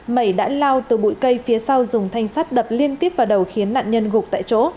mẩy đã lao từ bụi cây phía sau dùng thanh sắt đập liên tiếp vào đầu khiến nạn nhân gục tại chỗ